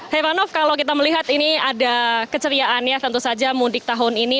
hei ranoff kalau kita melihat ini ada keceriaan ya tentu saja mudik tahun ini